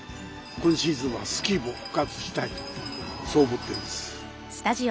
今シーズンはスキーも復活したいとそう思ってます。